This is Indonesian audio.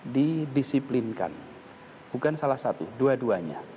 didisiplinkan bukan salah satu dua duanya